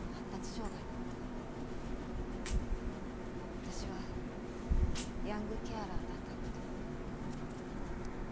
私はヤングケアラーだった事。